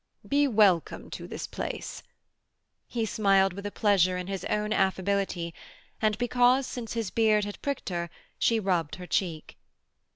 'Be welcome to this place.' He smiled with a pleasure in his own affability and because, since his beard had pricked her, she rubbed her cheek.